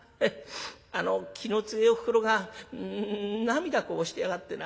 あの気の強えおふくろが涙こぼしてやがってな。